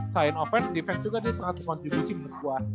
selain offense defense juga dia sangat berkontribusi menurut gua